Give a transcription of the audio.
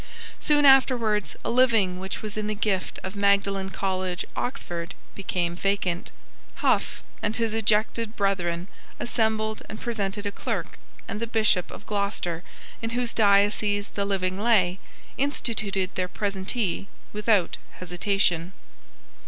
Soon afterwards a living which was in the gift of Magdalene College, Oxford, became vacant. Hough and his ejected brethren assembled and presented a clerk; and the Bishop of Gloucester, in whose diocese the living lay, instituted their presentee without hesitation.